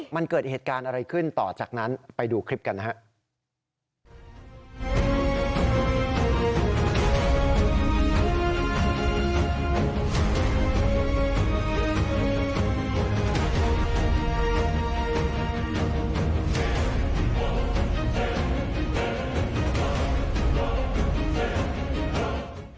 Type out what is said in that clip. มันเกิดเหตุการณ์อะไรขึ้นต่อจากนั้นไปดูคลิปกันนะครับ